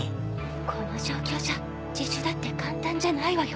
この状況じゃ自首だって簡単じゃないわよ。